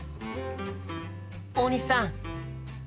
大西さん！